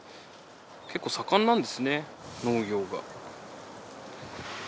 結構盛んなんですね農業が。